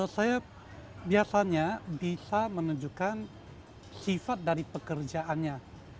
saya biasanya bisa menunjukkan sifat dari pekerjaannya